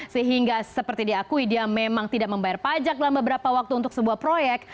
sehingga seperti diakui dia memang tidak membayar pajak dalam beberapa waktu untuk sebuah proyek